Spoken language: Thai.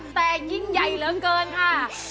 แต่ยิ่งใหญ่เหลือเกินค่ะ